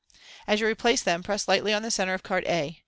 As you replace them, press lightly on the centre of card a.